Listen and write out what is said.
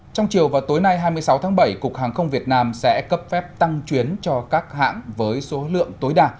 trong chiều và tối nay hai mươi sáu tháng bảy cục hàng không việt nam sẽ cấp phép tăng chuyến cho các hãng với số lượng tối đa